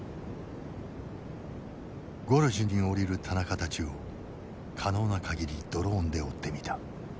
ゴルジュに降りる田中たちを可能な限りドローンで追ってみた。